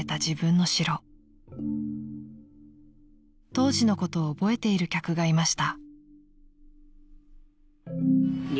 ［当時のことを覚えている客がいました］